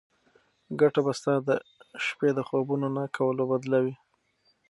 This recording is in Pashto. ګټه به ستا د شپې د خوبونو د نه کولو بدله وي.